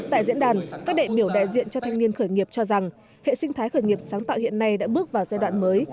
tại diễn đàn các đại biểu đại diện cho thanh niên khởi nghiệp cho rằng hệ sinh thái khởi nghiệp sáng tạo hiện nay đã bước vào giai đoạn mới